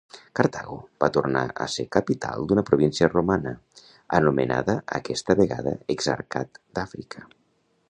Cartago va tornar a ser capital d'una província romana, anomenada aquesta vegada Exarcat d'Àfrica.